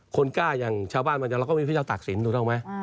คนกล้าอย่างชาวบ้านบางอย่างเราก็มีพระเจ้าตักศิลปถูกต้องไหม